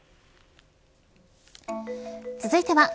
続いては＃